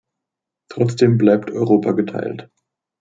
Trotzdem bleibt Europa geteilt.